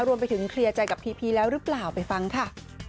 รวมไปถึงเคลียร์ใจกับพีพีแล้วหรือเปล่าไปฟังค่ะ